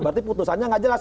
berarti putusannya nggak jelas